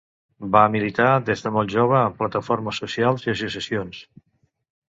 Va militar des de molt jove en plataformes socials i associacions.